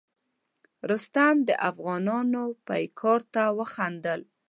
رستم د افغانیانو پیکار ته وخندل.